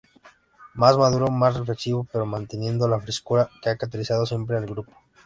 Más maduro, más reflexivo pero manteniendo la frescura que ha caracterizado siempre al grupo.